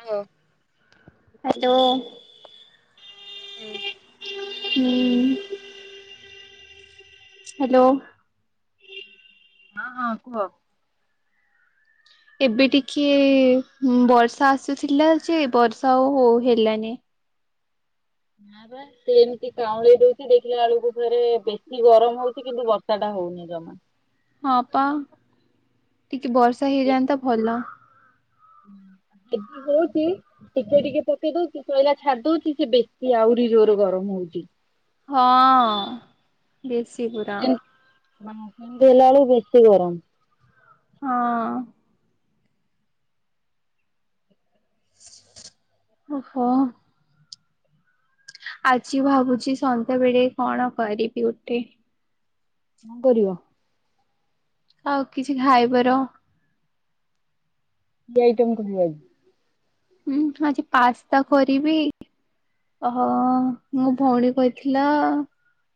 ସାଙ୍ଗ ହ୍ୟାଲୋ। ହୁଁ। ହୁଁ। ହ୍ୟାଲୋ। ହଁ ହଁ କୁହ। ଏବେ ଟିକେ ବର୍ଷା ଆସୁଥିଲା ଯେ ବର୍ଷା ଆଉ ହେଲାନି। ନାଁ ବା। ସେ ଏମିତି କାଉଁଳେଇ ଦଉଛି ଦେଖିଲା ବେଳକୁ ଫେରେ ବେଶୀ ଗରମ ହଉଛି କିନ୍ତୁ ବର୍ଷା ଟା ହଉନି ଜମା। ହଁ ପା ଟିକେ ବର୍ଷା ହେଇଯାନ୍ତା ଭଲ। ଏବେ କୋଉଠି? ଟିକେ ଟିକେ ପକେଇ ଦଉଛି ଶଇଲା ଛାଡି ଦଉଛି ସେ ବେଶୀ ଆହୁରି ଯୋରେ ଗରମ ହଉଛି। ହଁ ବେଶୀ ପୁରାଅ। ନା ସେମତି ହେଲା ବେଳକୁ ବେଶୀ ଗରମ। ହଁ। ଓହୋ। ଆଜି ଭାବୁଛି ସନ୍ଧ୍ୟାବେଳେ କଣ କରିବି ଗୋଟେ। କଣ କରିବ? ଆଉ କିଛି ଖାଇବାର କି ଆଇଟମ୍ କରିବ ଆଜି? ହୁଁ ଆଗେ ପାସ୍ସ୍ତା କରିବି। ଓହୋ ମୋ ଭଉଣୀ କହିଥିଲା।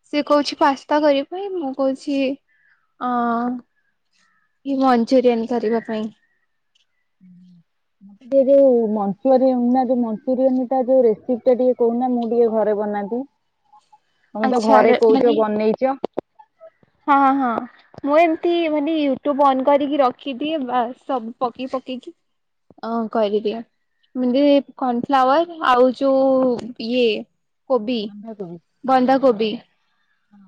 ସେ କହୁଛି ପାସ୍ତା କରିବା ପାଇଁ ମୁଁ କହୁଛି ଅଁ କି ମଞ୍ଚୁରିୟନ କରିବା ପାଇଁ। ସେ ଯୋଉ ମଞ୍ଚୁରୀୟନ୍ ମଞ୍ଚୁରୀୟନ୍ ଟା ଯୋଉ ରେସିପି ଟା ଟିକେ କହୁନା ମୁଁ ଟିକେ ଘରେ ବନାନ୍ତି। ଆଛା [unintelligible] ମାନେ ନେଇଚ। ହଁ ହଁ। ମୁଁ ଏମିତି ମାନେ ୟୁଟ୍ୟୁବ ଅନ କରିକି ରଖିଦିଏ ସବୁ ପକେଇ ପକେଇକି? ଅଁ କରିଦିଏ। ମୁଞ୍ଜେ କର୍ଣଫ୍ଲାୱାର ଆଉ ଯୋଉ ଇଏ କୋବି ବନ୍ଧା କୋବି ହଁ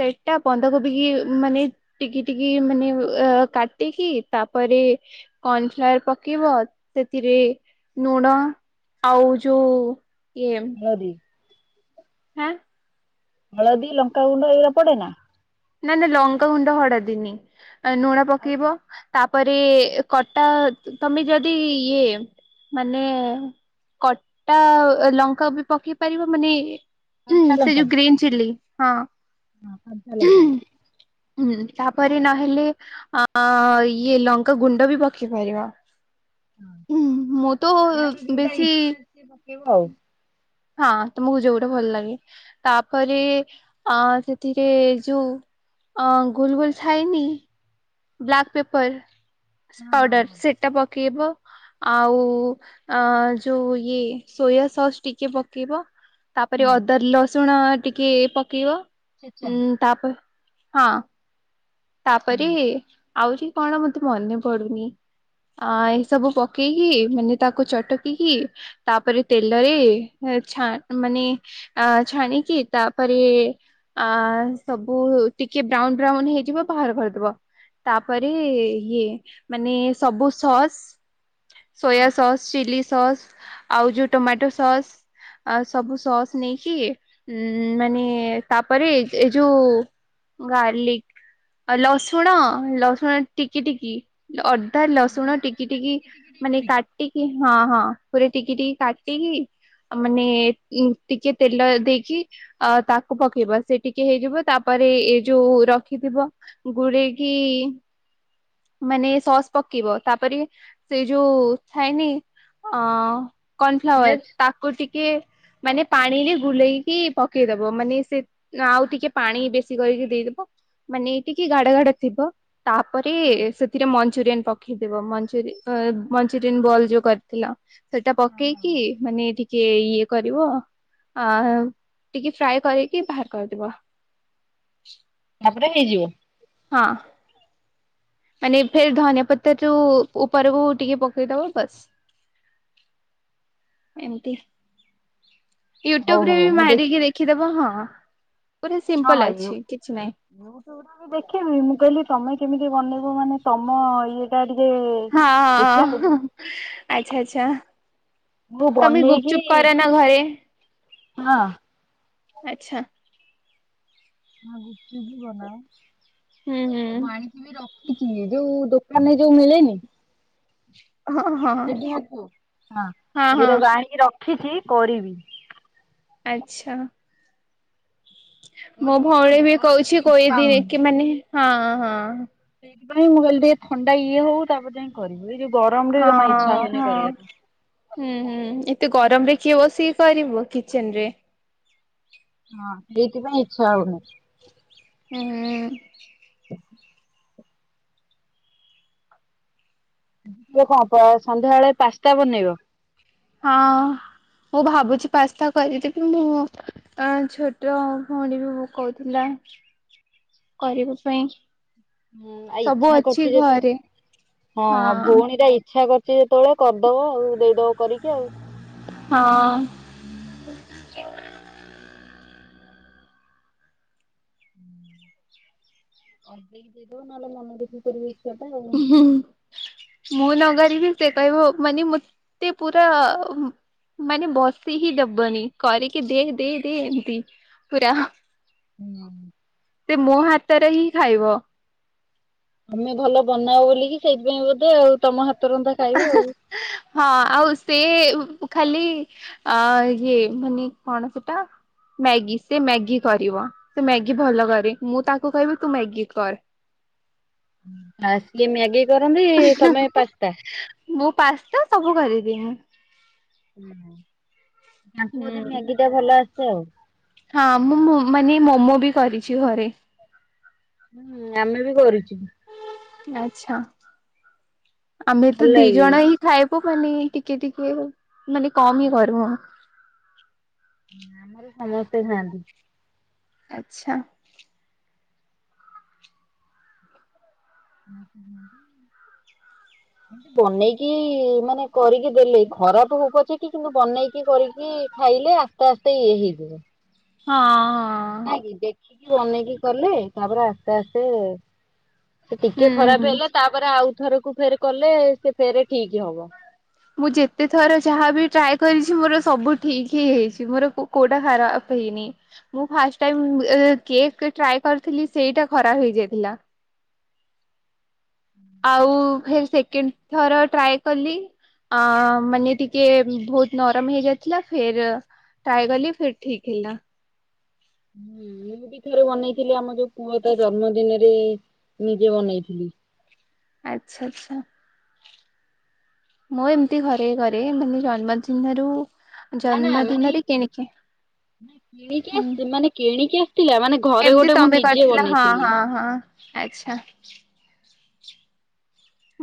ସେଇଟା ପନ୍ଦାକୋବି ହି ମାନେ ଟିକି ଟିକି ମାନେ ଅ କାଟିକି ତାପରେ କର୍ଣ୍ଣଫ୍ଲାର ପକେଇବ ସେଥିରେ ନୁଣ ଆଉ ଯୋଉ ଇଏ [unintelligible] ହଦି ହାଁ ହଳଦୀ ଲଙ୍କାଗୁଣ୍ଡ ଏଇଗୁଡା ପଡେ ନା ନା ନା ଲଙ୍କାଗୁଣ୍ଡ ହଡଦି ନାଇଁ ନୁଣ ଆଉ ପକେଇବ ତାପରେ କଟା ତମେ ଯଦି ଇଏ ମାନେ କଟା ଲଙ୍କା ବି ପକେଇ ପାରିବ ମାନେ ହୁଁ କଞ୍ଚା ସେ ଲଙ୍କା ଯୋଉ ଗ୍ରୀନ୍ ଚିଲ୍ଲି ହଁ ହଁ କଞ୍ଚା ଲଙ୍କା ହୁଁ ତାପରେ ନହେଲେ ଆ ଇଏ ଲଙ୍କା ଗୁଣ୍ଡ ବି ପକେଇ ପାରିବ ହୁଁ ମୁଁ ତ ବେଶୀ କେବ ଆଉ ହଁ ତମକୁ ଯୋଉଟା ଭଲ ଲାଗେ। ତାପରେ ହଁ ଅ ସେଥିରେ ଯୋଉ ଆଁ ଗୋଲ ଗୋଲ ଥାଏନି। ବ୍ଲାକ୍ ପେପର ପାଉଡର ସେଟା ପକେଇବ। ଆଉ ଅଁ ଯୋଉ ଇଏ ସୋୟା ସସ୍ ଟିକେ ପକେଇବ। ତାପରେ ହଁ ଆଚ୍ଛା। ଅଦା ଲସୁଣ ଟିକେ ପକେଇବ ଉଁ ତାପ ହଁ ହଁ ତାପରେ ଆହୁରି କଣ ମତେ ମନେ ପଡୁନି। ଅଁ ଏସବୁ ପକେଇକି ମାନେ ତାକୁ ଚଟକିକି ତାପରେ ତେଲରେ ଛା ମାନେ ଆଁ ଛାଣିକିି ତାପରେ ଆଁ ସବୁ ଟିକେ ବ୍ରାଉନ୍ ବ୍ରାଉନ୍ ହେଇଯିବ ବାହାର କରିଦବ ତାପରେ ଇଏ ମାନେ ସବୁ sauce soya sauce chilli sauce ଆଉ ଯୋଉ ଟମାଟୋ ସସ୍ ଆ ସବୁ ସସ୍ ନେଇକି ଉ ମାନେ ତାପରେ ଏ ଯୋଉ ଗାର୍ଲିକ ଆଉ ଲସୁଣ ଲସୁଣ ଟିକି ଟିକି ଅଦା ହଁ, ଲସୁଣ ରସୁଣ ଟିକି ଟିକି କାଟିକି ଟିକି ମାନେ କରିକି କାଟ୍ ଟିକ ହଁ ହଁ ପୁରା ଟିକି ଟିକି କାଟିକି ମାନେ ଟିକେ ତେଲ ଦେଇକି ଅ ତାକୁ ପକେଇବା ସେ ଟିକେ ହେଇଯିବ ତାପରେ ଏ ଯୋଉ ରଖିଥିବ ଗୁରେଇକି ମାନେ ସସ୍ ପକେଇବ ତାପରେ ସେ ଯୋଉ ଥାଏନି ଅ କର୍ଣ୍ଣଫ୍ଲାୱାର ପିଆଜ ତାକୁ ଟିକେ ମାନେ ପାଣିରେ ଗୁଲେଇକି ପକେଇଦବ ମାନେ ସେ ନା ଆଉ ଟିକେ ପାଣି ବେଶୀ କରିକି ଦେଇଦବ ମାନେ ଟିକେ ଗାଢ ଗାଢ ଥିବ ତାପରେ ସେଥିରେ ମଞ୍ଚୁରିଆନ ପକେଇଦବ ମଞ୍ଚୁରି ଅ ମଞ୍ଚୁରିୟନ ବଲ୍ ଯୋଉ କରିଥିଲ ସେଟା ପକେଇକି ମାନେ କିଏ ଇଏ କରିବ ଆ ଟିକେ ଫ୍ରାଏ କରିକି ବାହାର କରିଦବ। ତାପରେ ହେଇଯିବ। ହଁ। ମାନେ ଫେର ଧନିଆ ପତରରୁ ଉପରକୁ ଟିକେ ପକେଇଦବ ବାସ୍। ଏମିତି ହଉ ୟୁଟ୍ୟୁବ୍ ରେ ହଉ ବି ମୁଁ ଦେଖ ମାରିକି ଦେଖିଦବ ହଁ। ପୁରା ସିମ୍ପଲ ଅଛି କିଛି ନାହିଁ। ୟୁଟ୍ୟୁବ୍ ରେ ବି ଦେଖିବି ମୁଁ କହିଲି ତମେ କେମିତି ବନେଇବ ମାନେ ତମ ଇଏଟା ଟିକେ। ହଁ ଦେଖିବା ଆଉ ଆଚ୍ଛା ଆଚ୍ଛା। ମୁଁ ତମେ ବନେଇକି ଗୁପଚୁପ କର ନା ଘରେ? ହଁ। ଆଛା। ନା ଗୁପ୍ ଚୁପ୍ ବି ବନାଅ ହୁଁ ମୁଁ ହୁଁ ଆଣିକି ରଖ ଯୋଉ ଦୋକାନରେ ଯୋଉ ମିଳେନି ହଁ ହଁ ସେଦିନଠୁ ହଁ ସେଗୁଡାକୁ ଆଣିକି ରଖିଛି କରିବି। ଆଚ୍ଛା। ମୋ ଭଉଣୀ ବି କହୁଛି କଉଦି କି ମାନେ ହଁ ହଁ। ସେଇଥିପାଇଁ ମୁଁ କହିଲି ଟିକେ ଥଣ୍ଡା ହଉ ତାପରେ ଯାଇ କରିବି ଏ ଯୋଉ ଗରମରେ ଜମା ଇଚ୍ଛା ହଁ ହେଉନି ହଁ କରିବା ପାଇଁ। ହୁଁ ହୁଁ ଏତେ ଗରମ ରେ କିଏ ବସିକ କରିବ କିଚେନ ରେ। ହଁ ଏଇଥିପାଇଁ ଇଚ୍ଛା ହଉନି। ହୁଁ ହୁଁ। ଯଦି ହବ ସନ୍ଧ୍ୟାବେଳେ ପାସ୍ତା ବନେଇବ। ହଁ ମୁଁ ଭାବୁଛି ପାସ୍ତା କରିଦେବି ମୁଁ ହ ଛୋଟ ଭଉଣୀ ବି କହୁଥିଲା କରିବା ପାଇଁ ହଁ ଆଉ ସବୁ ଇଚ୍ଛା ଅଛି କରୁଛି ଘରେ ଯେତେବେଳେ ହଁ ଭଉଣୀର ଇ ଇଚ୍ଛା କରିଛି ଯେତେବେଳେ କରିଦବ ଆଉ ଦେଇଦବ କରିକି ଆଉ। ହଁ। [inaudible] ହୁଁ [inaudible] ଅଟକେଇକି ଦେଇଦବୁ ନହେଲେ ମନ ଦୁଃଖ କରିବେ ହୁଁହୁଁ। ମୁଁ ନକରିବି ସେକହିବ ମାନେ ମତେ ପୁରା ମାନେ ବସେଇ ହିଁ ଦବନି କରିକି ଦେ ଦେ ଦେ ଏମତି ପୁରା ହୁଁ। ମୋ ହାତରେ ହିଁ ଖାଇବ। ତମେ ଭଲ ବାନାଅ ବୋଲିକି ସେଥିପାଇଁ ବୋଧେ ତମ ହାତ ରନ୍ଧା ଖାଇବ। ହଁ ଆଉ ସେ ଖାଲି ଆ ହି ମାନେ କଣ ସେଟା ମ୍ୟାଗି ସେ ମ୍ୟାଗି କରିବ ସେ ମ୍ୟାଗି ଭଲ କରେ ମୁଁ ତାକୁ କହିବି ତୁ ମ୍ୟାଗି କର। ଆ ସିଏ ମ୍ୟାଗି କରନ୍ତି ତମେ ପାସ୍ତା। ମୁଁ ପାସ୍ତା ସବୁ କରିଦିଏ ମୁଁ। ତାକୁ ବୋଧେ ହୁଁ ମ୍ୟାଗିଟା ଭଲ ଆସେ ଆଉ। ହଁ ମୁଁ ମାନେ ମୋମୋ ବି କରିଛି ଘରେ। ହୁଁ ଆମେ ବି କରିୁଛୁ। ଆଛା ଆମେ ଭଲ ତ ଦି ଲାଗେ। ଜଣ ହିଁ ଖାଇବୁ ମାନେ ଟିକେ ଟିକେ ମାନେ କମ ହିଁ କରିବୁ। ଅମାର ବି ସମସ୍ତେ ଖାଆନ୍ତି। ଆଚ୍ଛା। ହୁଁ ହୁଁ। [inaudible] ବନେଇକି ମାନେ କରିକି ଦେଲେ ଖରାପ ହୋଉପଛକେ କିନ୍ତୁ ବନେଇକି କରିକି ଖାଇଲେ ଆ ଆସ୍ତେ ଆସ୍ତେ ହେଇଯିବ। ହଁ ହଁ। ନାଇଁ ଦେଖିକି ବନେଇକି କଲେ ତାପରେ ଆସ୍ତେ ଆସ୍ତେ। ସେ ଟିକେ ହୁଁ ଖରାପ ହୁଁ ହେଲେ ତାପରେ ଆଉ ଥରକୁ ଫେର କଲେ ସେ ଫେର ଠିକ୍ ହବ। ମୁଁ ଯେତେ ଥର ଯାହାବି ଟ୍ରାଏ କରିଛି ମୋର ସବୁ ଠିକ ହି ହେଇଛି ମୋର କୁ କୋଉଟା ଖରାପ ହେଇନି। ମୁଁ ଫାଷ୍ଟ ଟାଇ କେକ୍ ଟ୍ରାଏ କରିଥିଲି ସେଇଟା ଖରାପ ହେଇଯାଇଥିଲା। ହୁଁ ଆଉ ଫେରେ ସେକେଣ୍ଡ ଥର ଟ୍ରାଏ କଲି ଅ ମାନେ ଟିକେ ବହୁତ ନରମ ହେଇଯାଇଥିଲା ଫେର୍ ଟ୍ରାଏ କଲି ଫିର ଠିକ ହେଲା। ହୁଁ ମୁଁ ବି ଥରେ ବନେଇଥିଲି ଆମ ଯୋଉ ପୁଅ ତା ଜନ୍ମଦିନରେ ନିଜେ ବନେଇଥିଲି। ଆଚ୍ଛା ଆଚ୍ଛା। ମୁଁ ଏମିତି ଘରେ କରେ। ମାନେ ଜନ୍ମଦିନରୁ ନା ନା ମାନେ, ଜନ୍ମଦିନରେ କିଣିକି କିଣିକି ଆସି ମାନେ କିଣିକି ଆସିଥିଲା ମାନେ ଘରେ ଏମତି ଗୋଟେ ମୁଁ ତମେ ନିଜେ କରିଥିଲ ହଁ ବନେଇଥିଲି। ହଁ ହଁ ଆଚ୍ଛା।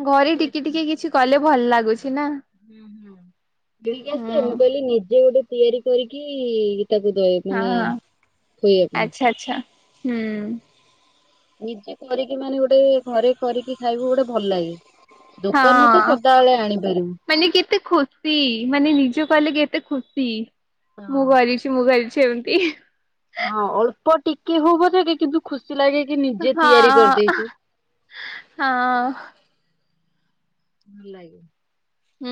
ଘରି ଟିକେ ଟିକେ କିଛି କଲେ ଭଲ ଲାଗୁଛି। ନା। ହୁଁ ହୁଁ। ହୁଁ [unintelligible] ମୁଁ କହିଲି ନିଜେ ଗୋଟେ ତିଆରି କରିକି [unintelligible] ମାନେ ହଁ ଖୋଇବା ପାଇଁ। ଆଚ୍ଛା ଆଚ୍ଛା। ହୁଁ। ନିଜେ କରିକି ମାନେ ଗୋଟେ ଘରେ କରିକି ଖାଇବୁ ଗୋଟେ ଭଲ ଲାଗେ। ଦୋକାନରୁୁ ତ ହଁ ସଦାବେଳେ ଆଣିପାରିବୁ। ମାନେ କେତେ ଖୁସି, ମାନେ ନିଜେ କଲେ କେତେ ଖୁସି। ମୁଁ କରିଚି ମୁଁ କରିଚି ଏମତି। ହଁ ଅଳ୍ପ ଟିକେ ହଉ ପଛେକେ କିନ୍ତୁ ଖୁସି ଲାଗେ କିି ନିଜେ ହଁ ତିଆରି କରିଦେଇଚୁ। ହଁ। ଭଲ ଲାଗେ। ହୁଁ।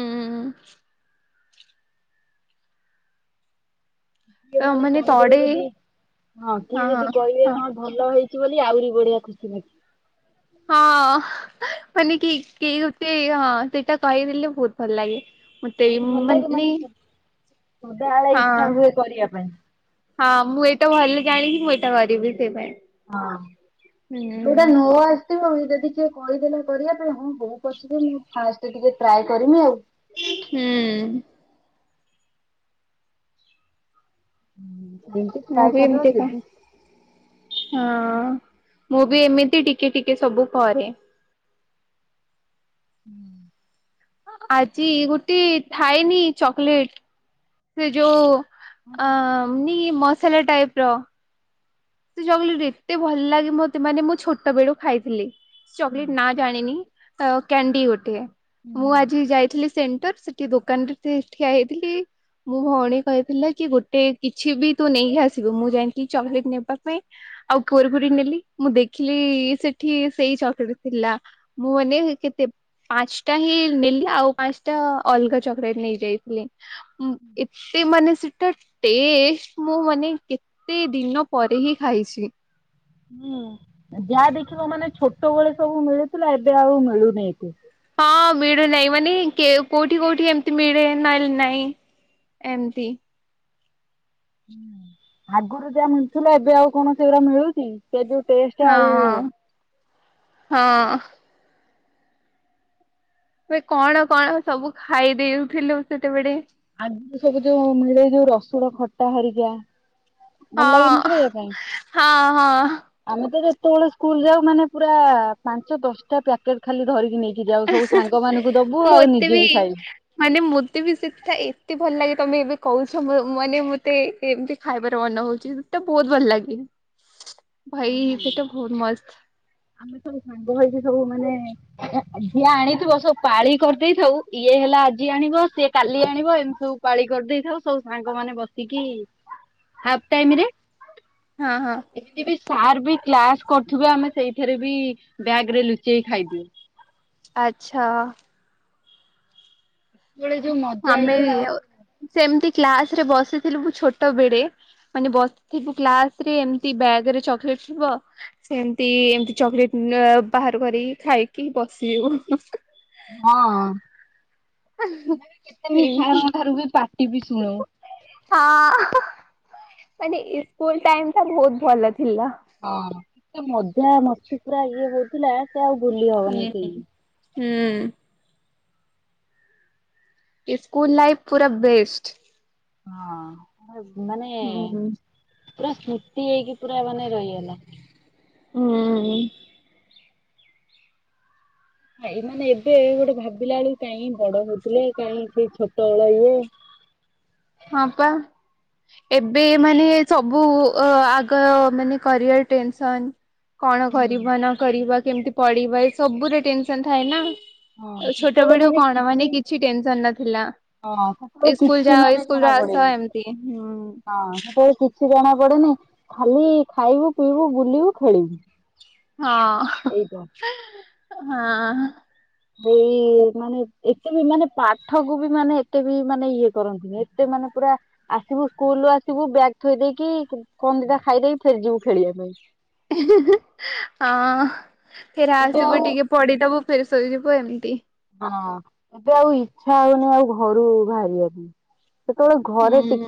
କିଏ ତ ମାନେ କହିଦେବେ ତଡେ ଯଦି ହଁ କିଏ ଯଦି କହିବେ ହଁ ଭଲ ହେଇ ଚି ବୋଲି ଆହୁରି ବଢିଆ ଖୁସି ଲାଗିବ। ହଁ। ମାନେ କେହି କେହି ଗୋଟେ ହଁ ସେଇଟା କହିଦେଲେ ବହୁତ୍ ଭଲ ଲାଗେ। ମତେ ବି ଆହୁରି ଭଲ ଲାଗେ, ମାନେ ସ ସଦାବେଳେ ହଁ ଇଚ୍ଛା ହୁଏ କରିବା ପାଇଁ। ହଁ ମୁଁ ଏଇଟା ଭଲ ଜାଣିଚି ମୁଁ ଏଇଟା କରିବି ସେଇ ପାଇଁ। ହଁ। ଯୋଉଟା ଟା ହୁଁ ନୂଆ ଯଦି ଟିକେ କହିଦେଲା କରିବା ପାଇଁ ହଁ ବୋଉ [unintelligible] ମୁଁ ଫାଷ୍ଟ ଟିକେ ଟ୍ରାଏ କରିମି ଆଉ। ହୁଁ। ସେମିତି ମୁଁ ଟ୍ରାଏ ବି କରିଦବା ଏମିତିକା ଯଦି ହଁ ମୁଁ ବି ଏମିତି ଟିକେ ଟିକେ ସବୁ କରେ। ଆଜି ଗୋଟେ ଥାଏନି ଚକୋଲେଟ୍ ସେ ଯୋଉ ଅ ମି ମସଲା ଟାଇପ୍ ର। ସେ ଚୋକଲେଟ୍ ଏତେ ଭଲ ଲାଗେ ମତେ ମାନେ ମୁଁ ଛୋଟେବେଳୁ ଖାଇଥିଲି। ଚକଲେଟ ନା ଜାଣିନି କ୍ୟାଣ୍ଡି ଗୋଟେ। ମୁଁ ଆଜି ଯାଇଥିଲି ସେଣ୍ଟର, ସେଠି ଦୋକାନ ରେ ଠିଆ ହେଇଥିଲି ମୋ ଭଉଣୀ କହିଥିଲା କି ଗୋଟେ କିଛି ବି ତୁ ନେଇ ଆସିବୁ ମୁଁ ଯାଇଁକି ଚକଲେଟ ନେବା ପାଇଁ ଆଉ କୁରକୁରୀ ନେଲି, ମୁଁ ଦେଖିଲି ସେଠି ସେଇ ଚକଲେଟ୍ ଥିଲା। ମୁଁ ମାନେ କେତେ ପାଞ୍ଚଟା ହିଁ ନେଲି। ଆଉ ପାଞ୍ଚଟା ଅଲଗା ଚକୋଲେଟ୍ ନେଇଯାଇଥିଲି। ଏତେ ମାନେ ସେଟା ଟେଷ୍ଟ, ମୁଁ ମାନେ କେତେ ଦିନ ପରେ ହିଁ ଖାଇଛି। ଯାହା ଦେଖିବ ମାନେ ଛୋଟବେଳେ ସବୁ ମିଳୁଥିଲା ଏବେ ଆଉ ମିଳୁନି ଏତେ। ହଁ ମିଳୁ ନାହିଁ। ମାନେ କୋଉଠି କୋଉଠି ଏମିତି ମିଳେ ନହେଲେ ନାଇଁ। ଏମତି। ଆଗରୁ ଯାହା ମିଳୁଥିଲା ଏବେ ଆଉ କଣ ସେଉରା ମିଳୁଚି, ସେ ଯୋଉ ଟେଷ୍ଟ ଆଉ ହଁ ହଁ। ଏ କଣ କଣ ସବୁ ଖାଇଦେଉଥିଲୁ ସେତେବେଳେ। ଆଗରୁ ସବୁ ଯୋଉ ମିଳେ ଯୋଉ ରସୁଣ ଖଟା ହେରିକା ଭଲ ଲାଗେନି କି ହଁ ଖାଇବା ପାଇଁ। ହଁ ହଁ ଆମେ ତ ଯେତେବେଳେ ସ୍କୁଲ ଯାଉ ମାନେ ପୁରା ପାଞ୍ଚ ଦଶଟା ପ୍ୟାକେଟ ଖାଲି ଧରିକି ନେଇ କି ଯାଉ ସବୁ ସାଙ୍ଗ ମାନଙ୍କୁ ଦବୁ ଆଉ ନିଜେ ବି ଖାଇବୁ। ମାନେ ମୋତେ ବି ସେଟା ଏତେ ଭଲ ଲାଗେ ତମେ ଏବେ କହୁଛ ମାନେ ମତେ ଏମିତି ଖାଇବାର ମନ ହଉଛି ସେଟା ବହୁତ ଭଲ ଲାଗେ ଭାଇ ଖାଇବୁ। ସେଇଟା ବହୁତ ମସ୍ତ। ଆମେ ସବୁ ସାଙ୍ଗ ହେଇକି ସବୁ ମାନେ ଯିଏ ଆଣିଥିବ ସବୁ ପାଳି କରିଦେଇଥାଉ ଇଏ ହେଲା ଆଜି ଆଣିବ ସିଏ କାଲି ଆଣିବ ଏମିତି ସବୁ ପାଳି କରିଦେଇଥାଉ ସବୁ ସାଙ୍ଗ ମାନ ବସିକି ହାପ୍ ଟାଇମ୍ ରେ। ହଁ ହଁ। ଏମତି ବି ସାର୍ ବି କ୍ଲାସ କରୁଥିବେ ଆମେ ସେଇଠାରେ ବି ବ୍ୟାଗ ରେ ଲୁଚେଇ ଖାଇଦିଉ। ଆଚ୍ଛା ଅଁ। ସେତେବେଳେ ଯୋଉ ମଜା ଆମେ ଇଏ ବି ଆଉ ସେମିତି କ୍ଲାସ ରେ ବସିଥିଲୁ ମୁଁ ଛୋଟ ବଳେ ମାନେ ବସିଥିବୁ କ୍ଲାସ ରେ ଏମତି ବ୍ୟାଗ ରେ ଚକଲେଟ ଥିବ। ସେମତି ଏମତି ଚକୋଲେଟ ଏଁ ବାହାର କରିକି ଖାଇକି ବସିଯିବୁ ହୁ ହୁ। ହଁ ଆମେବି କେତେ ମିସ ଶାର୍ ଙ୍କ ଠାରୁ ବି ପାଟି ବି ଶୁଣୁ। ହଁ ହଁ ହଁ ମାନେ ଇସ୍କୁଲ ଟାଇମ ଟା ବହୁତ ଭଲ ଥିଲା। ହଁ ଯୋଉ ମଜା ମସ୍ତି ପୁରା ଇଏ ହୋଉଥିଲା ସେ ଆଉ ଭୁଲି ହୁଁ ହବନି ହୁଁ। କେହି। ହୁଁ। ଇସ୍କୁଲ ଲାଇଫ୍ ପୁରା ବେଷ୍ଟ। ହଁ [unintelligible] ମାନେ ହୁଁ। ପୁରା ସ୍ମୃତି ହେଇକି ପୁରା ମାନେ ରହିଗଲା। ହୁଁ ହୁଁ। ଭାଇ ମାନେ ଏବେ ଗୋଟେ ଭାବିଲା ବେଳକୁ କାଇ ବଡ ହଉଥିଲେ କାଇ ସେଇ ଛୋଟ ବେଳ ଇଏ। ହଁପା। ଏବେ ମାନେ ସବୁ ଅ ଆଗ ମାନେ କରିବା ଟେନସନ୍। କଣ ହୁଁ। କରିବା ନ କରିବା କେମିତି ପଡିବା ଏ ସବୁରେ ଟେନସନ ଥାଏ ନା। ଆଉ ଛୋଟ ବେଳୁ କଣ ମାନେ କିଛି ଟେନସନ ନଥିଲା ହଁ ସେତେବେଳେ ଇସ୍କୁଲ କିଛି ଯାଅ ଇ ମାନେ ସ୍କୁଲୁରୁ ଜଣା ଆସ ପଡେନି। ଏମିତି ହୁଁ। ହଁ ସେତେବେଳେ କିଛି ଜଣା ପଡେନି ଖାଲି ଖାଇବୁ ପିଇବୁ ବୁଲିବୁ ଖେଳିବୁ। ହଁ ଏଇଟା ହଁ। ଏଇ ମାନେ ଏତେ ବି ମାନେ ପାଠକୁ ବି ମାନେ ଏତେ ବି ମାନେ ଇଏ କରନ୍ତିନି ଏତେ ମାନେ ପୁରା ଆସିବୁ ସ୍କୁଲୁରୁ ଆସିବୁ ବ୍ୟାଗ୍ ଥୋଇ ଦେଇେକି କଣ ଦିଟା ଖାଇଦେଇକି ଫେରେଯିବୁ ଖେଳିବା ପାଇଁ। ହିଁ ହିଁ ହଁ ଫେରେ ଏବେ ଆଉ ଆସିବୁ ଟିକେ ପଢିଦବୁ ଫେରେ ଶୋଇଯିବୁ ଏମିତି। ହଁ ମତେ ଆଉ ଇଛା ହଉନି ଆଉ ଘରୁ ବାହାରିବା କୁ। ସେତେବେଳେ ଘରେ ଟିକ ହୁଁ